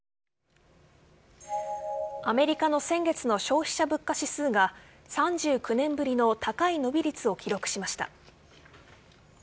アメリカの先月の消費者物価指数が３９年ぶりの高い伸び率を記録しました。